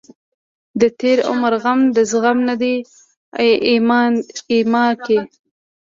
دتېر عمر غم دزغم نه دی ايام کې